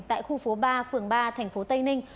tại khu phố ba phường ba thành phố tây ninh